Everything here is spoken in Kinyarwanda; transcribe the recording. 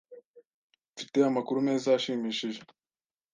Mfite amakuru meza ashimishije.